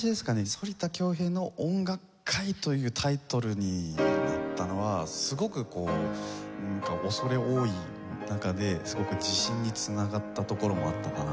「反田恭平の音楽会」というタイトルになったのはすごくこう恐れ多い中ですごく自信に繋がったところもあったかなと。